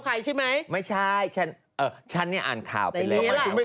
ใครใช่ไหมไม่ใช่ฉันเอ่อฉันเนี่ยอ่านข่าวไปแล้ว